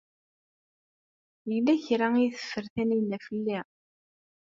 Yella kra ay teffer Taninna fell-i?